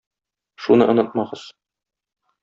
Шуны онытмагыз!